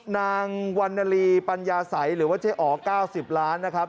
นางวันนาลีปัญญาสัยหรือว่าเจ๊อ๋อ๙๐ล้านนะครับ